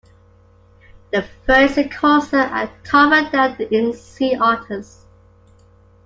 The fur is coarser and tougher than in sea otters.